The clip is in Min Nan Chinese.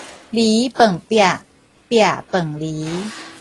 籬傍壁，壁傍籬